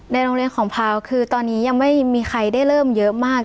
โรงเรียนของพาวคือตอนนี้ยังไม่มีใครได้เริ่มเยอะมาก